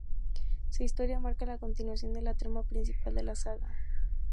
Su historia marca la continuación de la trama principal de la saga.